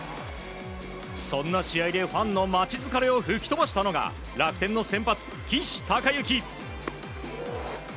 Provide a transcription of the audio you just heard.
そんな試合でファンの待ち疲れを吹き飛ばしたのが楽天の先発、岸孝之。